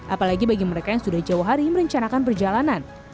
apalagi bagi mereka yang sudah jauh hari merencanakan perjalanan